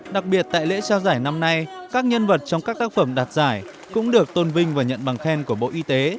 đặc biệt tại lễ trao giải năm nay các nhân vật trong các tác phẩm đạt giải cũng được tôn vinh và nhận bằng khen của bộ y tế